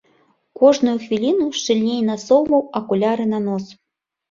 Кожную хвіліну шчыльней насоўваў акуляры на нос.